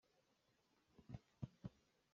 Ka nihlawh cu sawm nga a si.